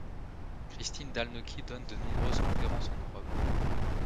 Christine Dalnoky donne de nombreuses conférences en Europe.